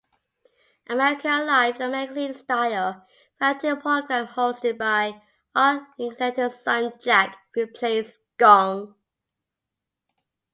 "America Alive", a magazine-style variety program hosted by Art Linkletter's son Jack, replaced "Gong".